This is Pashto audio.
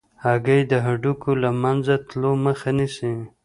هګۍ د هډوکو له منځه تلو مخه نیسي.